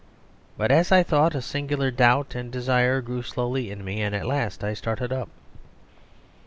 But as I thought a singular doubt and desire grew slowly in me, and at last I started up.